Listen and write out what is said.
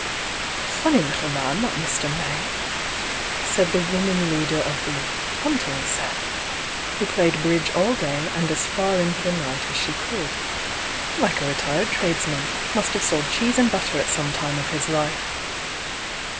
"Funny little man, that Mr. Mav!" said the woman leader of the "hunting set,"" who played bridge all day and as far into the night as she could Like a reUred tradesman! Must have sold cheese and butter at some time of his life!"